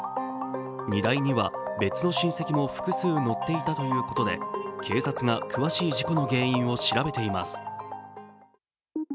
荷台には、別の親戚も複数乗っていたということで警察が詳しい事故の原因を調べています。